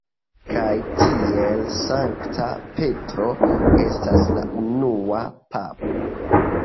Kaj tiel Sankta Petro estas la unua papo.